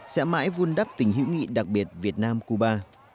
sẽ mãi vun đắp tình hữu nghị đặc biệt việt nam cuba